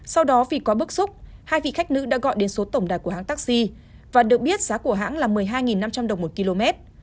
sau đó vì quá bức xúc hai vị khách nữ đã gọi đến số tổng đài của hãng taxi và được biết giá của hãng là một mươi hai năm trăm linh đồng một km